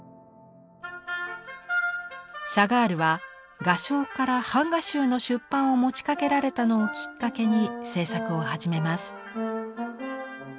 シャガールは画商から版画集の出版を持ちかけられたのをきっかけに制作を始めます。